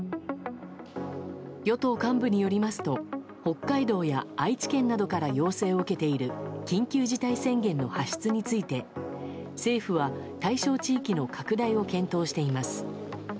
与党幹部によりますと北海道や愛知県などから要請を受けている緊急事態宣言の発出について政府は対象地域の拡大を検討しています。